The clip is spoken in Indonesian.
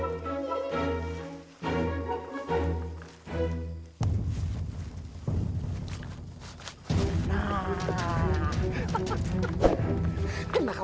bisa sabar kenapa kita ga ada siapa